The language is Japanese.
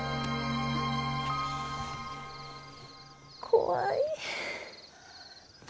怖い。